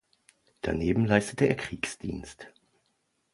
Daneben leistete er Kriegsdienst.